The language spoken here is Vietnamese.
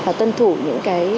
và tân thủ những cái